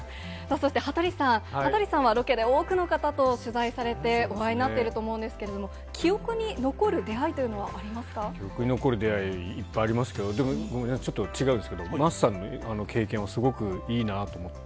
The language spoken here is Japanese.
そして羽鳥さん、羽鳥さんはロケで多くの方と取材されて、お会いになっていると思うんですけれども、記憶に残る出会いというのは記憶に残る出会い、いっぱいありますけど、でも、ごめんなさい、ちょっと違うんですけど、桝さんの経験はすごくいいなぁと思って。